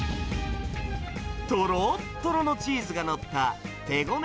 とろっとろのチーズが載った手ごね